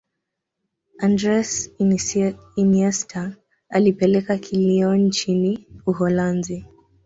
andres iniesta alipeleka kilio nchini Uholanzi